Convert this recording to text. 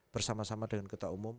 bersama sama dengan ketua umum